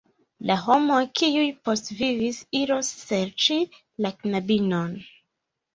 La homoj kiuj postvivis iros serĉi la knabinon.